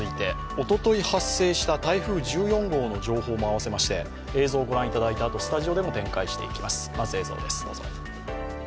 おととい発声した台風１４号の情報もあわせまして映像を御覧いただいたあと、スタジオでも展開していきます。